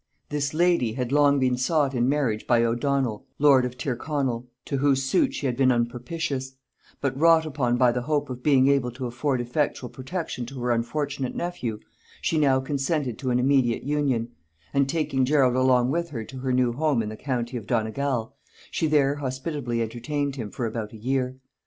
This lady had long been sought in marriage by O'Donnel lord of Tyrconnel, to whose suit she had been unpropitious: but wrought upon by the hope of being able to afford effectual protection to her unfortunate nephew, she now consented to an immediate union; and taking Gerald along with her to her new home in the county of Donegal, she there hospitably entertained him for about a year.